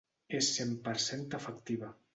És cent per cent efectiva.